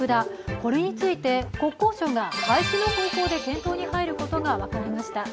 これについて国交省が廃止の方向で検討に入ることが分かりました。